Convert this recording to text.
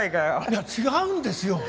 いや違うんですよ！